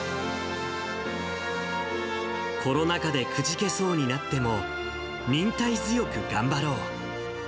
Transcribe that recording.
コロナ禍でくじけそうになっても、忍耐強く頑張ろう。